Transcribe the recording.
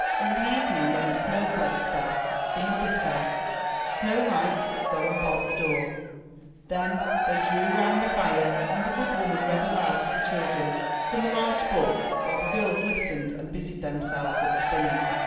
In the evening when the snow flakes fell, the mother said, ''Snow white, go and bolt the door/' Then they drew round the fire and the good woman read aloud to the children from a large book while the girls listened and busied themselves at spinning.